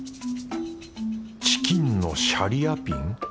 チキンのシャリアピン？